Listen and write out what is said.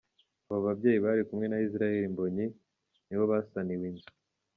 Aba babyeyi bari kumwe na Israel Mbonyi nibo basaniwe inzu.